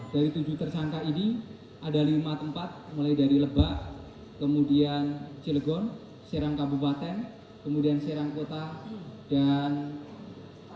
dari tujuh tersangka ini ada lima tempat mulai dari lebak kemudian cilegon serang kabupaten kemudian serang kota dan jawa barat